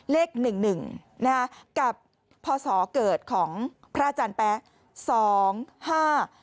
เลข๑๑กับพศเกิดของพระอาจารย์แป๊ะ๒๕๐๑